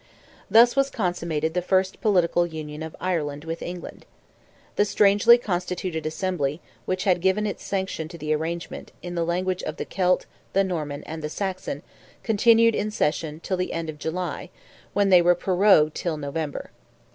Thus was consummated the first political union of Ireland with England. The strangely constituted Assembly, which had given its sanction to the arrangement, in the language of the Celt, the Norman, and the Saxon, continued in session till the end of July, when they were prorogued till November.